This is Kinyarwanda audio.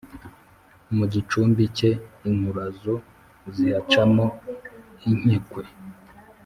mu gicumbi cye inkurazo zihacamo inkekwe